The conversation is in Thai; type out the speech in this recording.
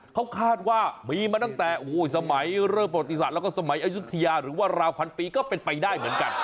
เขาคาดว่ามีมาตั้งแต่สมัยเริ่มประวัติศาสตร์แล้วก็สมัยอายุทยาหรือว่าราวพันปีก็เป็นไปได้เหมือนกัน